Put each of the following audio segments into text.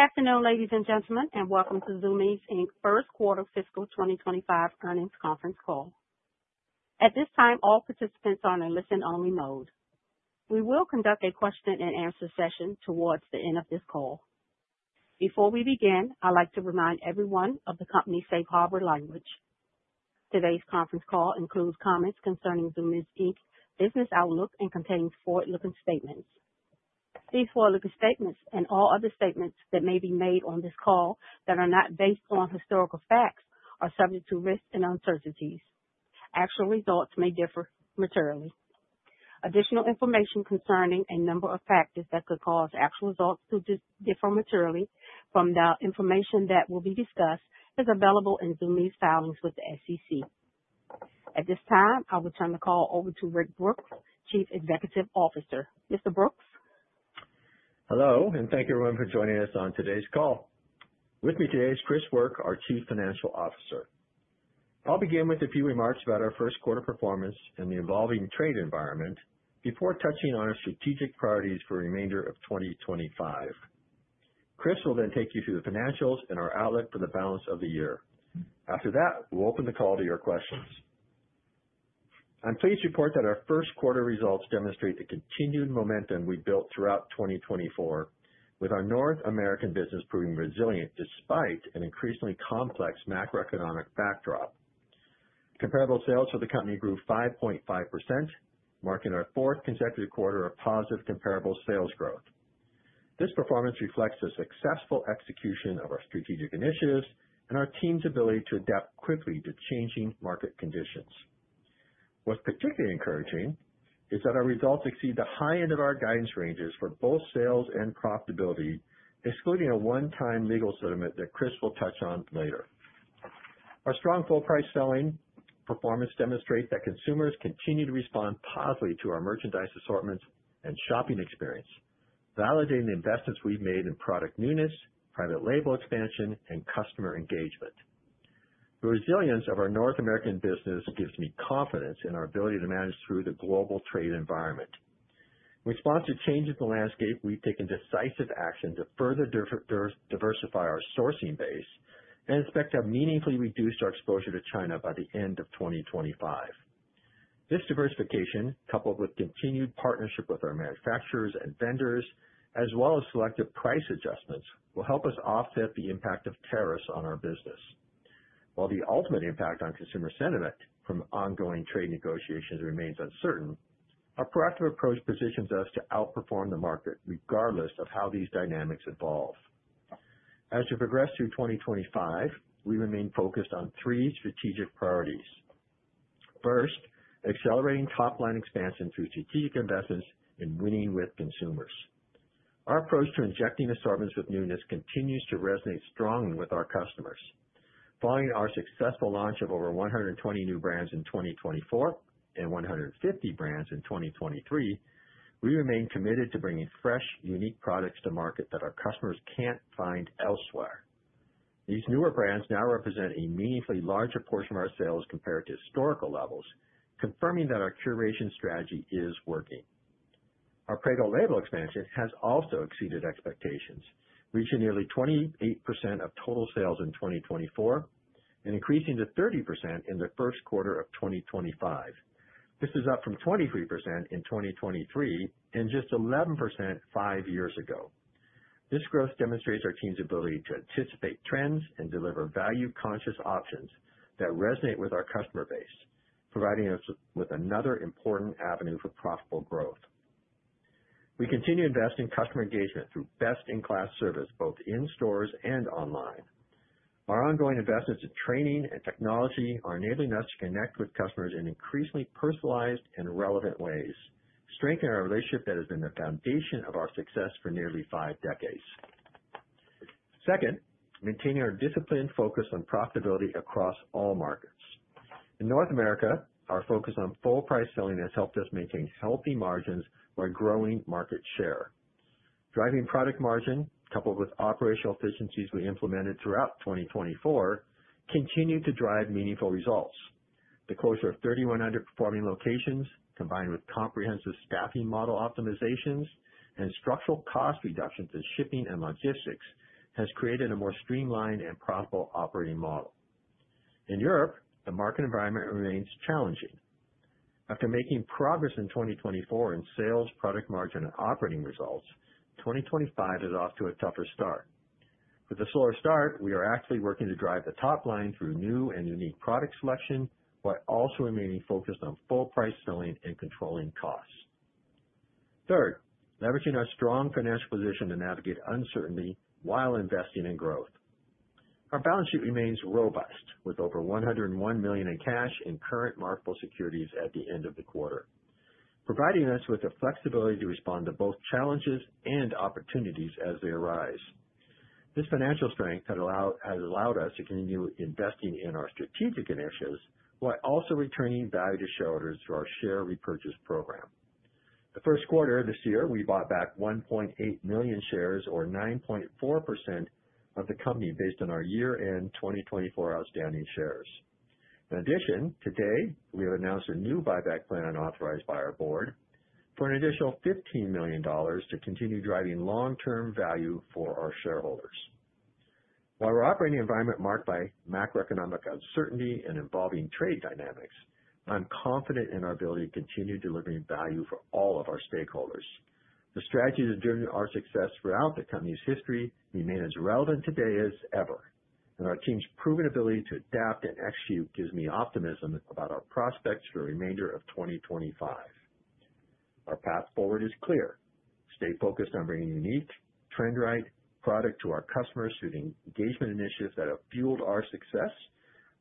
Good afternoon, Ladies and Gentlemen, and welcome to Zumiez's First Quarter Fiscal 2025 Earnings Conference Call. At this time, all participants are in listen-only mode. We will conduct a question-and-answer session towards the end of this call. Before we begin, I'd like to remind everyone of the company's safe harbor language. Today's conference call includes comments concerning Zumiez's business outlook and contains forward-looking statements. These forward-looking statements and all other statements that may be made on this call that are not based on historical facts are subject to risks and uncertainties. Actual results may differ materially. Additional information concerning a number of factors that could cause actual results to differ materially from the information that will be discussed is available in Zumiez's filings with the SEC. At this time, I will turn the call over to Rick Brooks, Chief Executive Officer. Mr. Brooks. Hello, and thank you, everyone, for joining us on today's call. With me today is Chris Work, our Chief Financial Officer. I'll begin with a few remarks about our first quarter performance and the evolving trade environment before touching on our strategic priorities for the remainder of 2025. Chris will then take you through the financials and our outlook for the balance of the year. After that, we'll open the call to your questions. I'm pleased to report that our first quarter results demonstrate the continued momentum we built throughout 2024, with our North American business proving resilient despite an increasingly complex macroeconomic backdrop. Comparable sales for the company grew 5.5%, marking our fourth consecutive quarter of positive comparable sales growth. This performance reflects the successful execution of our strategic initiatives and our team's ability to adapt quickly to changing market conditions. What's particularly encouraging is that our results exceed the high end of our guidance ranges for both sales and profitability, excluding a one-time legal settlement that Chris will touch on later. Our strong full-price selling performance demonstrates that consumers continue to respond positively to our merchandise assortments and shopping experience, validating the investments we've made in product newness, private label expansion, and customer engagement. The resilience of our North American business gives me confidence in our ability to manage through the global trade environment. In response to changes in the landscape, we've taken decisive action to further diversify our sourcing base and expect to have meaningfully reduced our exposure to China by the end of 2025. This diversification, coupled with continued partnership with our manufacturers and vendors, as well as selective price adjustments, will help us offset the impact of tariffs on our business. While the ultimate impact on consumer sentiment from ongoing trade negotiations remains uncertain, our proactive approach positions us to outperform the market regardless of how these dynamics evolve. As we progress through 2025, we remain focused on three strategic priorities. First, accelerating top-line expansion through strategic investments and winning with consumers. Our approach to injecting assortments with newness continues to resonate strongly with our customers. Following our successful launch of over 120 new brands in 2024 and 150 brands in 2023, we remain committed to bringing fresh, unique products to market that our customers can't find elsewhere. These newer brands now represent a meaningfully larger portion of our sales compared to historical levels, confirming that our curation strategy is working. Our private label expansion has also exceeded expectations, reaching nearly 28% of total sales in 2024 and increasing to 30% in the first quarter of 2025. This is up from 23% in 2023 and just 11% five years ago. This growth demonstrates our team's ability to anticipate trends and deliver value-conscious options that resonate with our customer base, providing us with another important avenue for profitable growth. We continue to invest in customer engagement through best-in-class service both in stores and online. Our ongoing investments in training and technology are enabling us to connect with customers in increasingly personalized and relevant ways, strengthening our relationship that has been the foundation of our success for nearly five decades. Second, maintaining our disciplined focus on profitability across all markets. In North America, our focus on full-price selling has helped us maintain healthy margins by growing market share. Driving product margin, coupled with operational efficiencies we implemented throughout 2024, continue to drive meaningful results. The closure of 3,100 performing locations, combined with comprehensive staffing model optimizations and structural cost reductions in shipping and logistics, has created a more streamlined and profitable operating model. In Europe, the market environment remains challenging. After making progress in 2024 in sales, product margin, and operating results, 2025 is off to a tougher start. With a slower start, we are actively working to drive the top line through new and unique product selection while also remaining focused on full-price selling and controlling costs. Third, leveraging our strong financial position to navigate uncertainty while investing in growth. Our balance sheet remains robust, with over $101 million in cash and current marketable securities at the end of the quarter, providing us with the flexibility to respond to both challenges and opportunities as they arise. This financial strength has allowed us to continue investing in our strategic initiatives while also returning value to shareholders through our share repurchase program. The first quarter of this year, we bought back 1.8 million shares, or 9.4% of the company based on our year-end 2024 outstanding shares. In addition, today, we have announced a new buyback plan authorized by our board for an additional $15 million to continue driving long-term value for our shareholders. While we're operating in an environment marked by macroeconomic uncertainty and evolving trade dynamics, I'm confident in our ability to continue delivering value for all of our stakeholders. The strategies that have driven our success throughout the company's history remain as relevant today as ever, and our team's proven ability to adapt and execute gives me optimism about our prospects for the remainder of 2025. Our path forward is clear. Stay focused on bringing unique, trend-right, product to our customers through the engagement initiatives that have fueled our success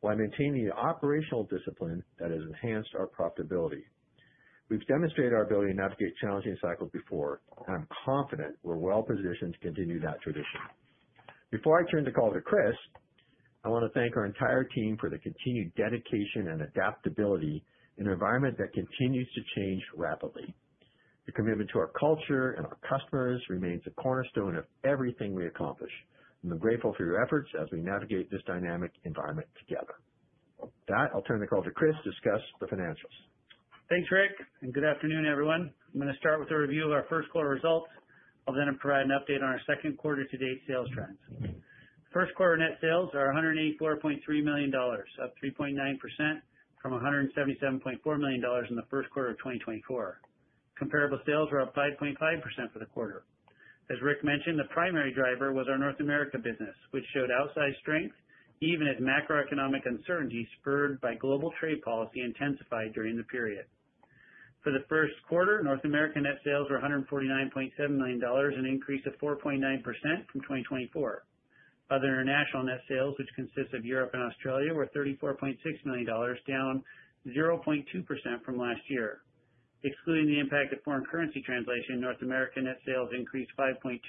while maintaining the operational discipline that has enhanced our profitability. We've demonstrated our ability to navigate challenging cycles before, and I'm confident we're well-positioned to continue that tradition. Before I turn the call to Chris, I want to thank our entire team for the continued dedication and adaptability in an environment that continues to change rapidly. The commitment to our culture and our customers remains the cornerstone of everything we accomplish, and I'm grateful for your efforts as we navigate this dynamic environment together. With that, I'll turn the call to Chris to discuss the financials. Thanks, Rick, and good afternoon, everyone. I'm going to start with a review of our first quarter results. I'll then provide an update on our second quarter-to-date sales trends. First quarter net sales are $184.3 million, up 3.9% from $177.4 million in the first quarter of 2024. Comparable sales were up 5.5% for the quarter. As Rick mentioned, the primary driver was our North America business, which showed outsized strength even as Macroeconomic uncertainty spurred by global trade policy intensified during the period. For the first quarter, North America net sales were $149.7 million, an increase of 4.9% from 2024. Other international net sales, which consist of Europe and Australia, were $34.6 million, down 0.2% from last year. Excluding the impact of foreign currency translation, North America net sales increased 5.2%,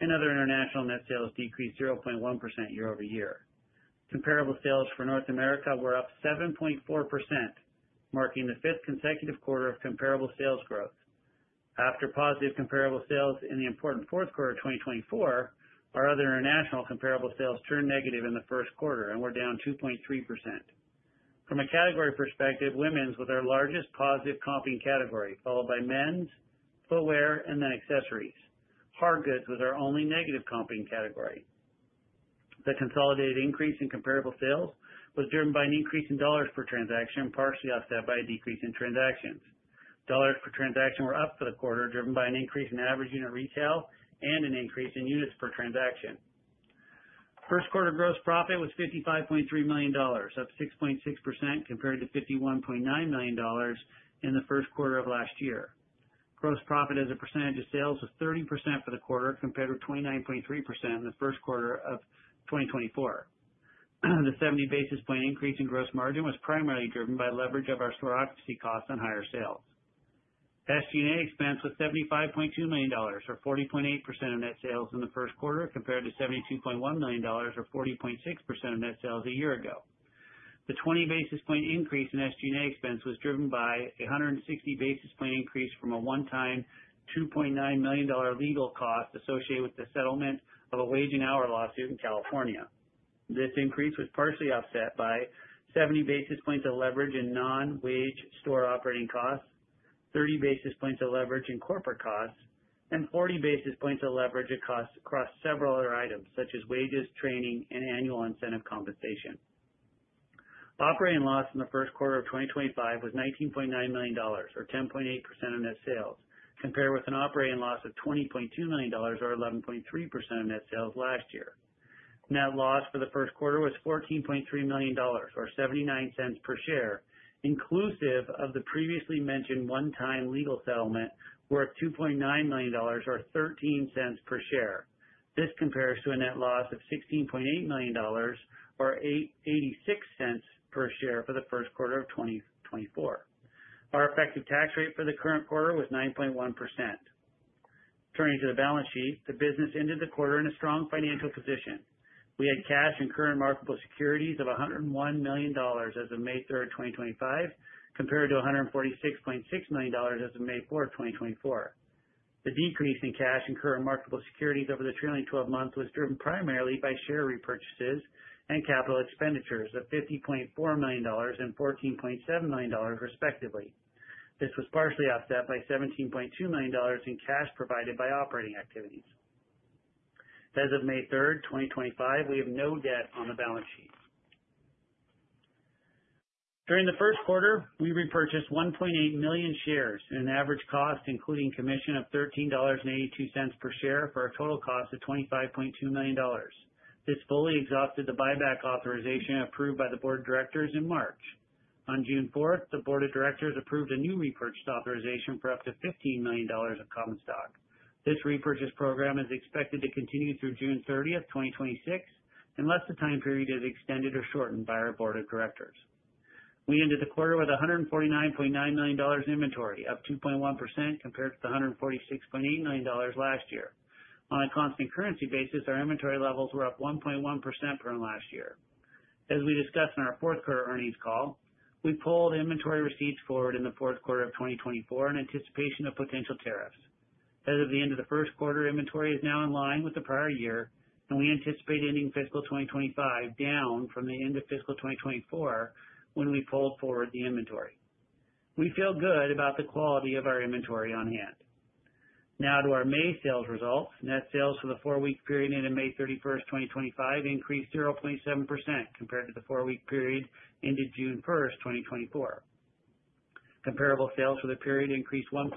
and other international net sales decreased 0.1% year-over-year. Comparable sales for North America were up 7.4%, marking the fifth consecutive quarter of comparable sales growth. After positive comparable sales in the important fourth quarter of 2024, our other international comparable sales turned negative in the first quarter, and were down 2.3%. From a category perspective, women's was our largest positive comping category, followed by men's, footwear, and then accessories. Hard goods was our only negative comping category. The consolidated increase in comparable sales was driven by an increase in dollars per transaction, partially offset by a decrease in transactions. Dollars per transaction were up for the quarter, driven by an increase in average unit retail and an increase in units per transaction. First quarter Gross Profit was $55.3 million, up 6.6% compared to $51.9 million in the first quarter of last year. Gross profit as a percentage of sales was 30% for the quarter, compared with 29.3% in the first quarter of 2024. The 70 basis point increase in gross margin was primarily driven by leverage of our Stochasticity costs on higher sales. SG&A expense was $75.2 million, or 40.8% of net sales in the first quarter, compared to $72.1 million, or 40.6% of net sales a year ago. The 20 basis point increase in SG&A expense was driven by a 160 basis point increase from a one-time $2.9 million legal cost associated with the settlement of a wage and hour lawsuit in California. This increase was partially offset by 70 basis points of leverage in non-wage store operating costs, 30 basis points of leverage in corporate costs, and 40 basis points of leverage across several other items, such as wages, training, and annual incentive compensation. Operating loss in the first quarter of 2025 was $19.9 million, or 10.8% of net sales, compared with an operating loss of $20.2 million, or 11.3% of net sales last year. Net loss for the first quarter was $14.3 million, or $0.79 per share, inclusive of the previously mentioned one-time legal settlement worth $2.9 million, or $0.13 per share. This compares to a net loss of $16.8 million, or $0.86 per share for the first quarter of 2024. Our effective Tax Rate for the current quarter was 9.1%. Turning to the Balance Sheet, the business ended the quarter in a strong financial position. We had cash and current marketable securities of $101 million as of May 3, 2025, compared to $146.6 million as of May 4, 2024. The decrease in cash and current marketable securities over the trailing 12 months was driven primarily by share repurchases and capital expenditures of $50.4 million and $14.7 million, respectively. This was partially offset by $17.2 million in cash provided by operating activities. As of May 3, 2025, we have no debt on the Balance Sheet. During the first quarter, we repurchased 1.8 million shares at an average cost, including commission, of $13.82 per share for a total cost of $25.2 million. This fully exhausted the buyback authorization approved by the board of directors in March. On June 4, the board of directors approved a new repurchase authorization for up to $15 million of common stock. This repurchase program is expected to continue through June 30, 2026, unless the time period is extended or shortened by our board of directors. We ended the quarter with $149.9 million inventory, up 2.1% compared to the $146.8 million last year. On a constant currency basis, our inventory levels were up 1.1% from last year. As we discussed in our fourth quarter earnings call, we pulled inventory receipts forward in the fourth quarter of 2024 in anticipation of potential tariffs. As of the end of the first quarter, inventory is now in line with the prior year, and we anticipate ending Fiscal 2025 down from the end of Fiscal 2024 when we pulled forward the inventory. We feel good about the quality of our inventory on hand. Now, to our May sales results. Net sales for the four-week period ended May 31, 2025, increased 0.7% compared to the four-week period ended June 1, 2024. Comparable sales for the period increased 1.4%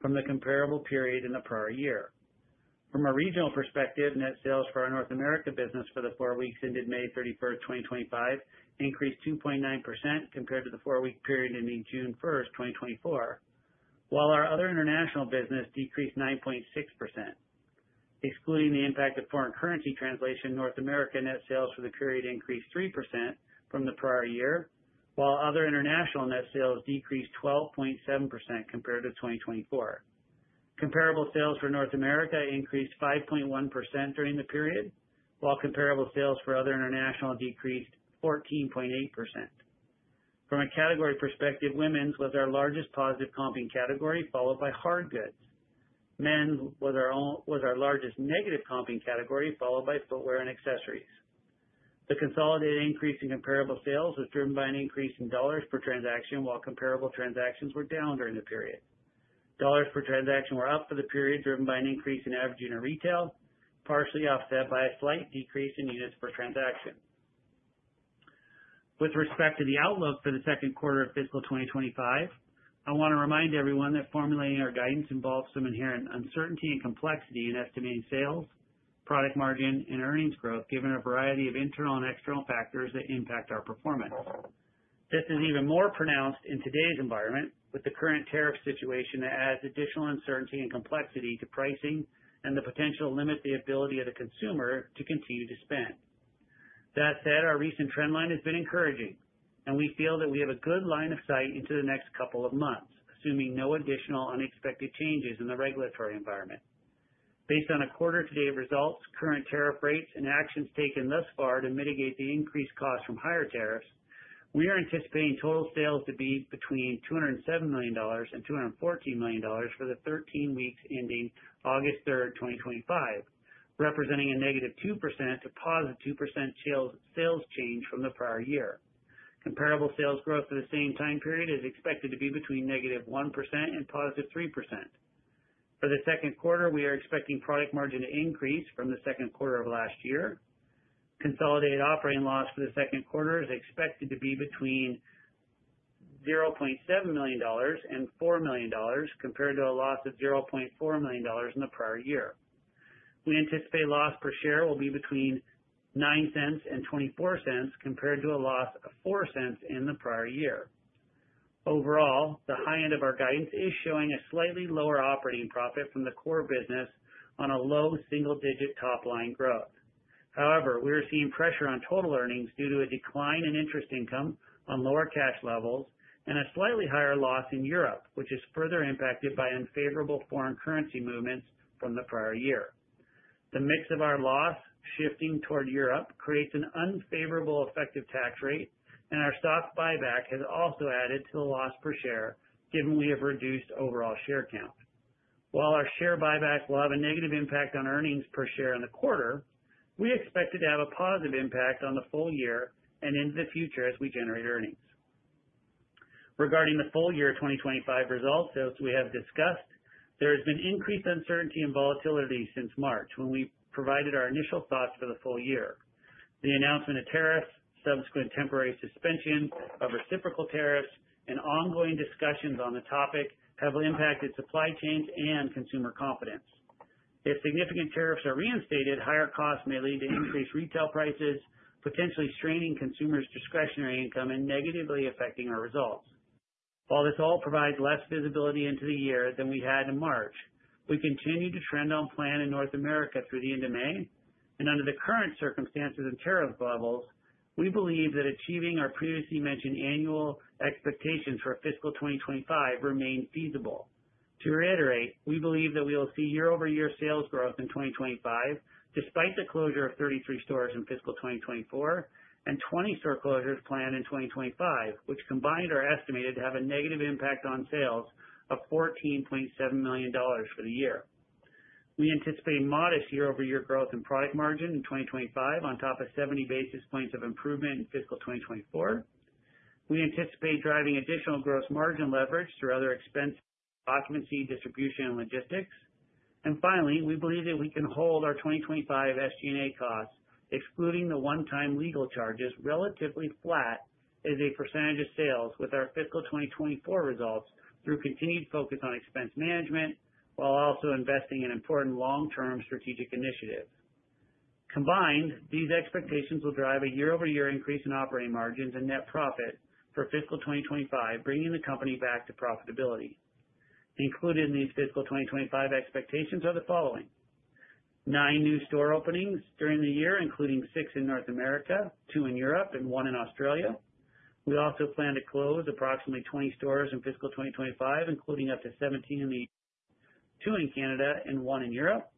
from the comparable period in the prior year. From a regional perspective, net sales for our North America business for the four weeks ended May 31, 2025, increased 2.9% compared to the four-week period ending June 1, 2024, while our other international business decreased 9.6%. Excluding the impact of foreign currency translation, North America net sales for the period increased 3% from the prior year, while other international net sales decreased 12.7% compared to 2024. Comparable sales for North America increased 5.1% during the period, while comparable sales for other international decreased 14.8%. From a category perspective, women's was our largest positive comping category, followed by hard goods. Men's was our largest negative comping category, followed by footwear and accessories. The consolidated increase in comparable sales was driven by an increase in dollars per transaction, while comparable transactions were down during the period. Dollars per transaction were up for the period, driven by an increase in average unit retail, partially offset by a slight decrease in units per transaction. With respect to the outlook for the second quarter of fiscal 2025, I want to remind everyone that formulating our guidance involves some inherent uncertainty and complexity in Estimating Sales, Product Margin, and Earnings Growth, given a variety of internal and external factors that impact our performance. This is even more pronounced in today's environment, with the current tariff situation that adds additional uncertainty and complexity to pricing and the potential to limit the ability of the consumer to continue to spend. That said, our recent trend line has been encouraging, and we feel that we have a good line of sight into the next couple of months, assuming no additional unexpected changes in the regulatory environment. Based on quarter-to-date results, current tariff rates, and actions taken thus far to mitigate the increased cost from higher tariffs, we are anticipating total sales to be between $207 million and $214 million for the 13 weeks ending August 3, 2025, representing a -2% to 2% sales change from the prior year. Comparable sales growth for the same time period is expected to be between -1% and 3%. For the second quarter, we are expecting product margin to increase from the second quarter of last year. Consolidated operating loss for the second quarter is expected to be between $0.7 million and $4 million, compared to a loss of $0.4 million in the prior year. We anticipate loss per share will be between $0.09 and $0.24, compared to a loss of $0.04 in the prior year. Overall, the high end of our guidance is showing a slightly lower operating profit from the core business on a low single-digit top-line growth. However, we are seeing pressure on total earnings due to a decline in interest income on lower cash levels and a slightly higher loss in Europe, which is further impacted by unfavorable foreign currency movements from the prior year. The mix of our loss shifting toward Europe creates an unfavorable effective tax rate, and our stock buyback has also added to the loss per share, given we have reduced overall share count. While our share buybacks will have a negative impact on earnings per share in the quarter, we expect it to have a positive impact on the full year and into the future as we generate earnings. Regarding the full year 2025 results, as we have discussed, there has been increased uncertainty and volatility since March when we provided our initial thoughts for the full year. The announcement of tariffs, subsequent temporary suspension of reciprocal tariffs, and ongoing discussions on the topic have impacted supply chains and consumer confidence. If significant tariffs are reinstated, higher costs may lead to increased retail prices, potentially straining consumers' discretionary income and negatively affecting our results. While this all provides less visibility into the year than we had in March, we continue to trend on plan in North America through the end of May, and under the current circumstances and tariff levels, we believe that achieving our previously mentioned annual expectations for fiscal 2025 remains feasible. To reiterate, we believe that we will see year-over-year sales growth in 2025, despite the closure of 33 stores in fiscal 2024 and 20 store closures planned in 2025, which combined are estimated to have a negative impact on sales of $14.7 million for the year. We anticipate modest year-over-year growth in product margin in 2025, on top of 70 basis points of improvement in fiscal 2024. We anticipate driving additional gross margin leverage through other expenses, occupancy, distribution, and logistics. Finally, we believe that we can hold our 2025 SG&A costs, excluding the one-time legal charges, relatively flat as a percentage of sales with our Fiscal 2024 results through continued focus on expense management, while also investing in important long-term strategic initiatives. Combined, these expectations will drive a year-over-year increase in operating margins and net profit for fiscal 2025, bringing the company back to profitability. Included in these fiscal 2025 expectations are the following: nine new store openings during the year, including six in North America, two in Europe, and one in Australia. We also plan to close approximately 20 stores in fiscal 2025, including up to 17 in the U.S., two in Canada, and one in Europe.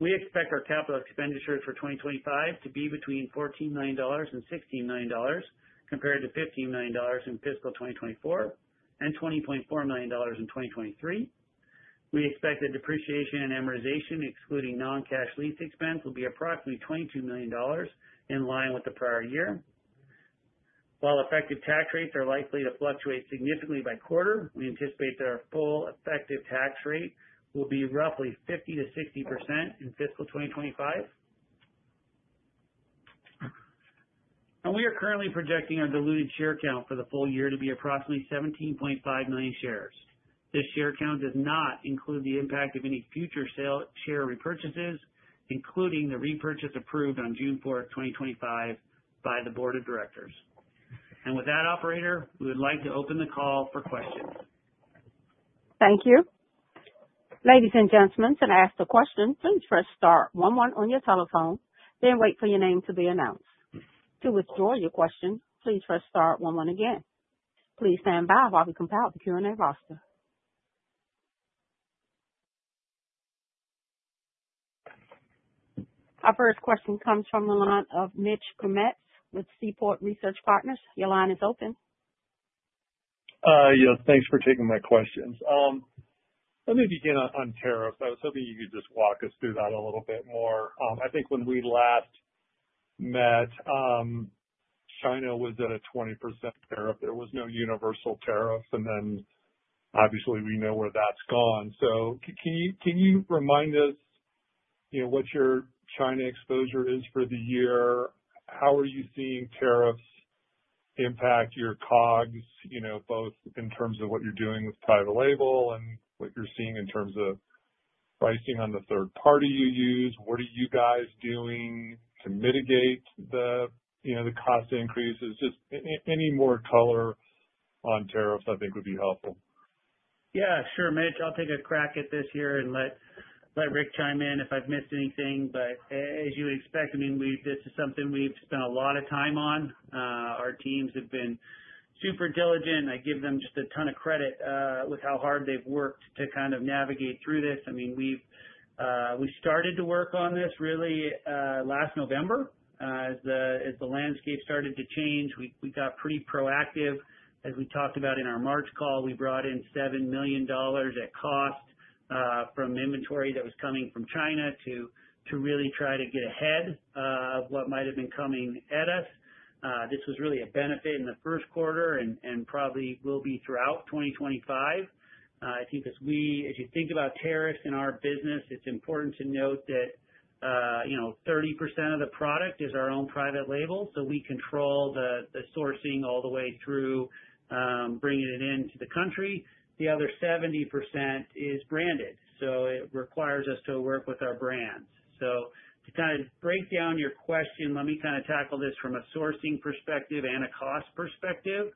We expect our capital expenditures for 2025 to be between $14 million and $16 million, compared to $15 million in fiscal 2024 and $20.4 million in 2023. We expect that depreciation and amortization, excluding non-cash lease expense, will be approximately $22 million in line with the prior year. While effective tax rates are likely to fluctuate significantly by quarter, we anticipate that our full effective tax rate will be roughly 50%-60% in fiscal 2025. We are currently projecting our diluted share count for the full year to be approximately 17.5 million shares. This share count does not include the impact of any future share repurchases, including the repurchase approved on June 4, 2025, by the board of directors. With that, Operator, we would like to open the call for questions. Thank you. Ladies and Gentlemen, to ask a question, please press Star 11 on your telephone, then wait for your name to be announced. To withdraw your question, please press Star 11 again. Please stand by while we compile the Q&A roster. Our first question comes from the line of Mitch Kmetz with Seaport Research Partners. Your line is open. Yes, thanks for taking my questions. Let me begin on tariffs. I was hoping you could just walk us through that a little bit more. I think when we last met, China was at a 20% tariff. There was no Universal Tariff. Obviously, we know where that's gone. Can you remind us what your China exposure is for the year? How are you seeing tariffs impact your COGS, both in terms of what you're doing with private label and what you're seeing in terms of pricing on the third party you use? What are you guys doing to mitigate the cost increases? Any more color on tariffs, I think, would be helpful. Yeah, sure, Mitch. I'll take a crack at this here and let Rick chime in if I've missed anything. As you would expect, this is something we've spent a lot of time on. Our teams have been super diligent. I give them just a ton of credit with how hard they've worked to kind of navigate through this. We started to work on this really last November as the landscape started to change. We got pretty proactive. As we talked about in our March call, we brought in $7 million at cost from inventory that was coming from China to really try to get ahead of what might have been coming at us. This was really a benefit in the first quarter and probably will be throughout 2025. I think as you think about tariffs in our business, it's important to note that 30% of the product is our own private label. So we control the sourcing all the way through bringing it into the country. The other 70% is branded. So it requires us to work with our brands. To kind of break down your question, let me kind of tackle this from a sourcing perspective and a cost perspective.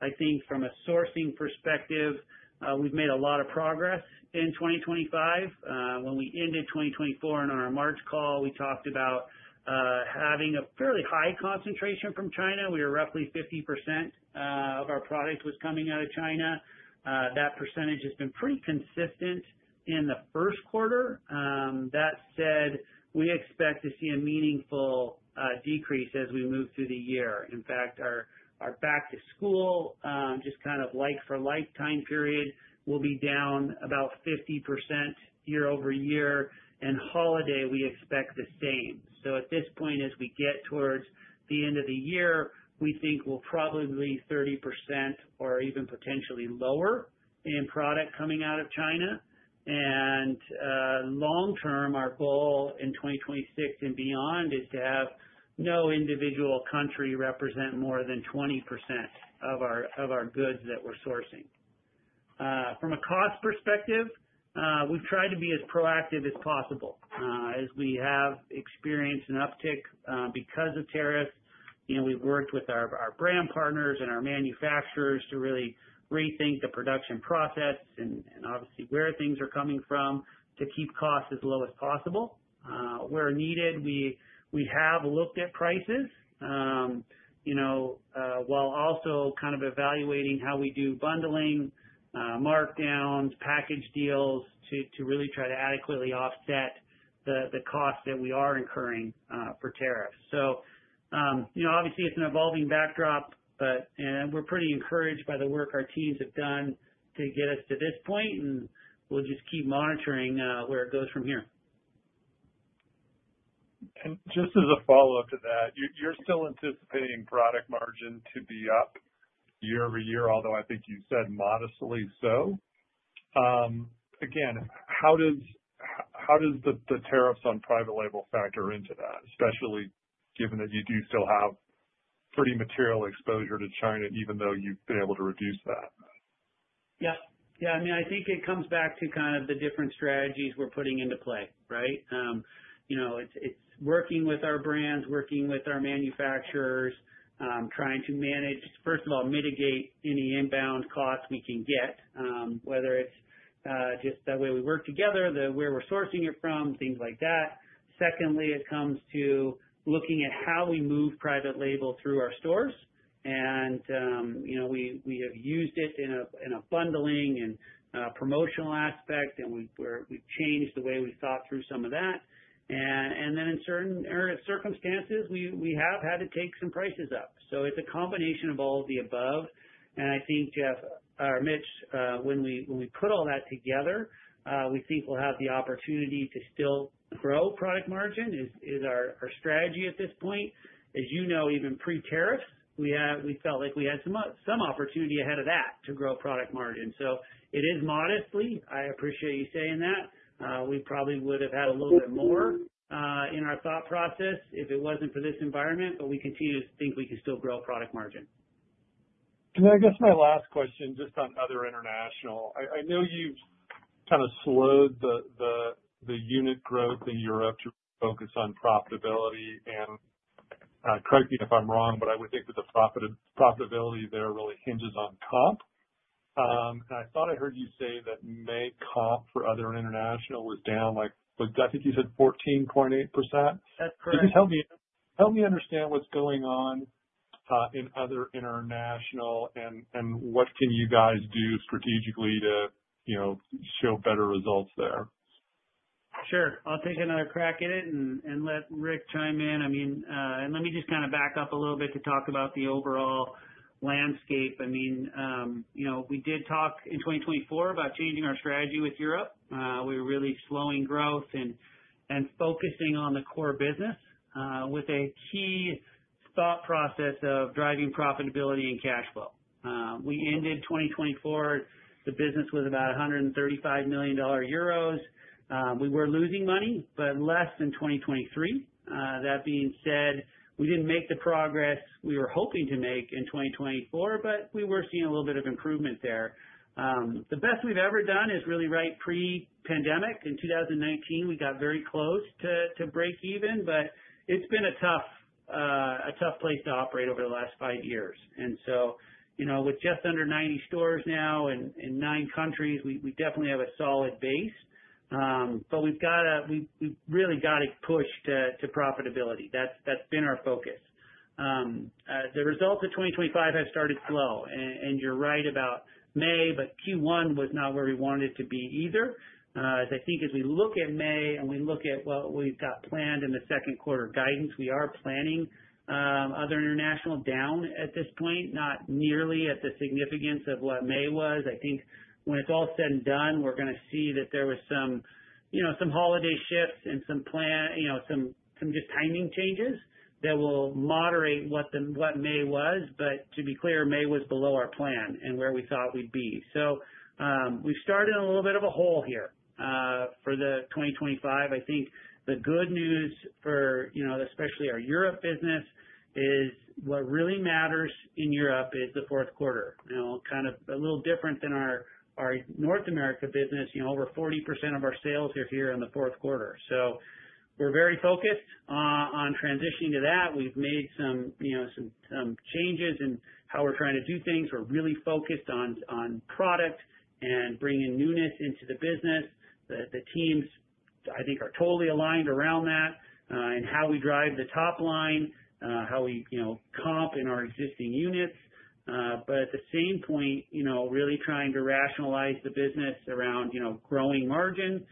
I think from a sourcing perspective, we've made a lot of progress in 2025. When we ended 2024 and on our March call, we talked about having a fairly high concentration from China. We were roughly 50% of our product was coming out of China. That percentage has been pretty consistent in the first quarter. That said, we expect to see a meaningful decrease as we move through the year. In fact, our back-to-school, just kind of like-for-like time period, will be down about 50% year-over-year, and holiday, we expect the same. At this point, as we get towards the end of the year, we think we'll probably be 30% or even potentially lower in product coming out of China. Long-term, our goal in 2026 and beyond is to have no individual country represent more than 20% of our goods that we're sourcing. From a cost perspective, we've tried to be as proactive as possible. As we have experienced an uptick because of tariffs, we've worked with our brand partners and our manufacturers to really rethink the production process and obviously where things are coming from to keep costs as low as possible. Where needed, we have looked at prices while also kind of evaluating how we do bundling, markdowns, package deals to really try to adequately offset the costs that we are incurring for tariffs. It is an evolving backdrop, but we're pretty encouraged by the work our teams have done to get us to this point, and we'll just keep monitoring where it goes from here. Just as a follow-up to that, you're still anticipating product margin to be up year-over-year, although I think you said modestly so. Again, how does the tariffs on private label factor into that, especially given that you do still have pretty material exposure to China, even though you've been able to reduce that? Yep. Yeah. I mean, I think it comes back to kind of the different strategies we're putting into play, right? It's working with our brands, working with our manufacturers, trying to manage, first of all, mitigate any inbound-costs we can get, whether it's just the way we work together, where we're sourcing it from, things like that. Secondly, it comes to looking at how we move private label through our stores. We have used it in a bundling and promotional aspect, and we've changed the way we thought through some of that. In certain circumstances, we have had to take some prices up. It is a combination of all of the above. I think, Mitch, when we put all that together, we think we'll have the opportunity to still grow product margin is our strategy at this point. As you know, even pre-tariffs, we felt like we had some opportunity ahead of that to grow product margin. It is modestly. I appreciate you saying that. We probably would have had a little bit more in our thought process if it wasn't for this environment, but we continue to think we can still grow product margin. I guess my last question just on other international. I know you've kind of slowed the unit growth in Europe to focus on profitability. Correct me if I'm wrong, but I would think that the profitability there really hinges on COP. I thought I heard you say that May COP for other international was down, I think you said 14.8%. That's correct. Can you help me understand what's going on in other international, and what can you guys do strategically to show better results there? Sure. I'll take another crack at it and let Rick chime in. I mean, and let me just kind of back up a little bit to talk about the overall landscape. I mean, we did talk in 2024 about changing our strategy with Europe. We were really slowing growth and focusing on the core business with a key thought process of driving profitability and cash flow. We ended 2024. The business was about EUR 135 million. We were losing money, but less than 2023. That being said, we didn't make the progress we were hoping to make in 2024, but we were seeing a little bit of improvement there. The best we've ever done is really right pre-pandemic. In 2019, we got very close to break even, but it's been a tough place to operate over the last five years. With just under 90 stores now in nine countries, we definitely have a solid base, but we've really got to push to profitability. That's been our focus. The results of 2025 have started slow. You're right about May, but Q1 was not where we wanted it to be either. As I think as we look at May and we look at what we've got planned in the second quarter guidance, we are planning other international down at this point, not nearly at the significance of what May was. I think when it's all said and done, we're going to see that there were some holiday shifts and some just timing changes that will moderate what May was. To be clear, May was below our plan and where we thought we'd be. We have started a little bit of a hole here for 2025. I think the good news for especially our Europe business is what really matters in Europe is the fourth quarter. Kind of a little different than our North America business. Over 40% of our sales are here in the fourth quarter. We are very focused on transitioning to that. We have made some changes in how we are trying to do things. We are really focused on product and bringing newness into the business. The teams, I think, are totally aligned around that and how we drive the top line, how we comp in our existing units. At the same point, we are really trying to rationalize the business around growing margin.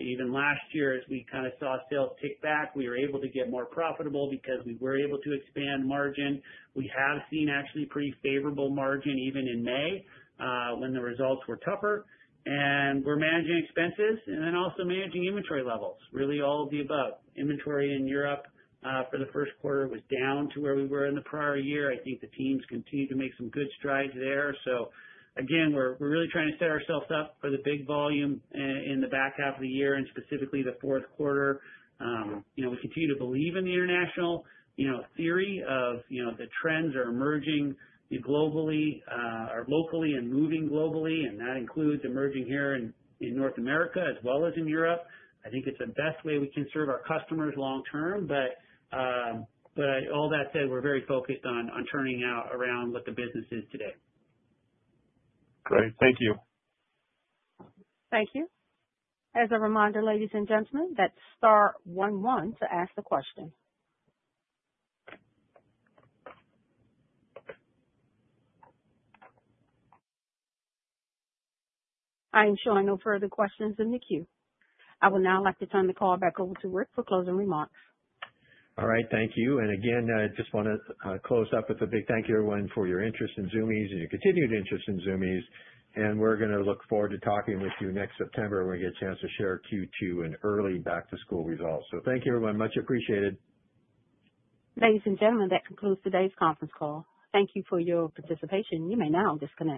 Even last year, as we kind of saw sales tick back, we were able to get more profitable because we were able to expand margin. We have seen actually pretty favorable margin even in May when the results were tougher. We are managing expenses and then also managing inventory levels. Really all of the above. Inventory in Europe for the first quarter was down to where we were in the prior year. I think the teams continue to make some good strides there. Again, we are really trying to set ourselves up for the big volume in the back half of the year and specifically the fourth quarter. We continue to believe in the international theory of the trends are emerging globally or locally and moving globally. That includes emerging here in North America as well as in Europe. I think it's the best way we can serve our customers long term. All that said, we're very focused on turning out around what the business is today. Great. Thank you. Thank you. As a reminder, ladies and gentlemen, that's star 11 to ask the question. I ensure no further questions in the queue. I would now like to turn the call back over to Rick for closing remarks. All right. Thank you. I just want to close up with a big thank you, everyone, for your interest in Zumiez and your continued interest in Zumiez. We're going to look forward to talking with you next September when we get a chance to share Q2 and early back-to-school results. Thank you, everyone. Much appreciated. Ladies and gentlemen, that concludes today's conference call. Thank you for your participation. You may now disconnect.